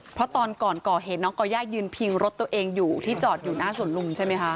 เพราะตอนก่อนก่อเหตุน้องก่อย่ายืนพิงรถตัวเองอยู่ที่จอดอยู่หน้าสวนลุมใช่ไหมคะ